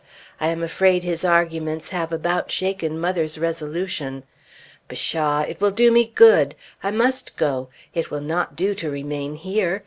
I am afraid his arguments have about shaken mother's resolution. Pshaw! it will do me good! I must go. It will not do to remain here.